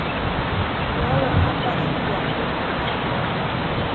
Wawa aparikwa puñurka.